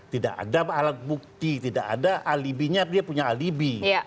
tidak ada alat bukti tidak ada alibinya dia punya alibi